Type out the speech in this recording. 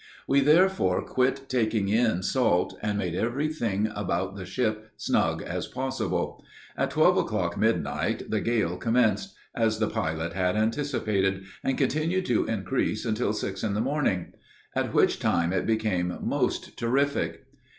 We therefore quit taking in salt, and made every thing about the ship snug as possible. At twelve o'clock, midnight, the gale commenced, as the pilot had anticipated, and continued to increase until six in the morning, at which time it became most terrific.